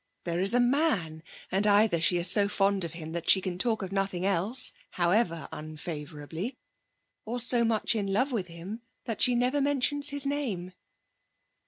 There is a man; and either she is so fond of him that she can talk of nothing else, however unfavourably, or so much in love with him that she never mentions his name.'